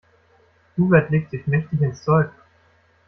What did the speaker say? Hubert legt sich mächtig ins Zeug.